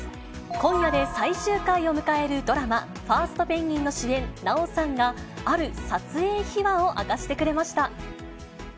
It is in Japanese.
今夜で最終回を迎えるドラマ、ファーストペンギン！の主演、奈緒さんが、ある撮影秘話を明かしてくれました。